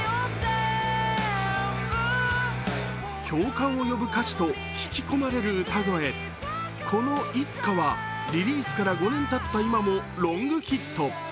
共感を呼ぶ歌詞と引き込まれる歌声、この「いつか」はリリースから５年たった今もロングヒット。